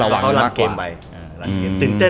พี่พิ๊กจ๊ะ